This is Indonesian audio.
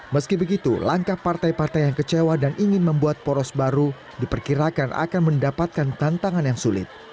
meski begitu langkah partai partai yang kecewa dan ingin membuat poros baru diperkirakan akan mendapatkan tantangan yang sulit